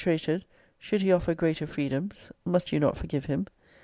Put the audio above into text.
And thus situated, should he offer greater free doms, must you not forgive him?